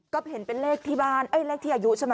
ก็เห็นเป็นเลขที่อายุใช่ไหม